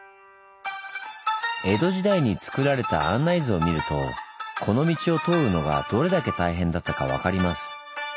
江戸時代につくられた案内図を見るとこの道を通るのがどれだけ大変だったか分かります。